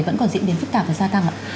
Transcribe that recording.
vẫn còn diễn biến phức tạp và gia tăng ạ